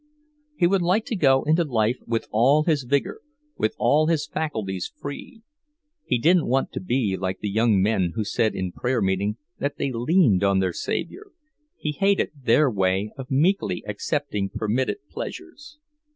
He would like to go into life with all his vigour, with all his faculties free. He didn't want to be like the young men who said in prayer meeting that they leaned on their Saviour. He hated their way of meekly accepting permitted pleasures.